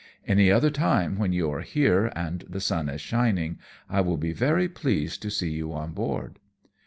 Any other time when you are here, and the sun is shining, I will be very pleased to see you on board."